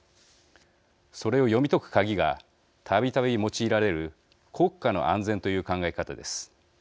それを読み解く鍵がたびたび用いられる国家の安全という考え方です。